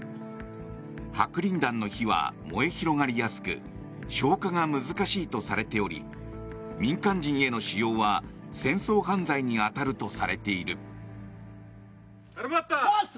白リン弾の火は燃え広がりやすく消火が難しいとされており民間人への使用は戦争犯罪に当たるとされている。